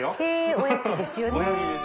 おやきですよね。